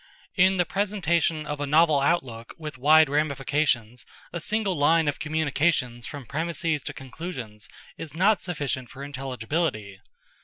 In the presentation of a novel outlook with wide ramifications a single line of communications from premises to conclusions is not sufficient for intelligibility.